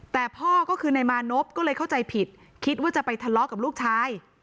แต่พ่อก็คือนายมานพก็เลยเข้าใจผิดคิดว่าจะไปทะเลาะกับลูกชาย